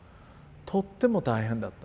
とっても大変だった。